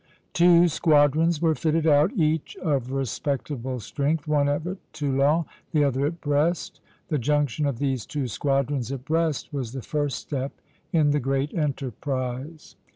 Two squadrons were fitted out, each of respectable strength, one at Toulon, the other at Brest. The junction of these two squadrons at Brest was the first step in the great enterprise.